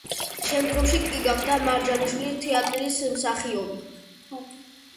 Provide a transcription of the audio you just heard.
შემდგომში კი გახდა მარჯანიშვილის თეატრის მსახიობი.